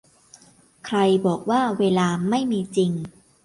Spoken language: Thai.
ใครบอกว่าเวลาไม่มีจริง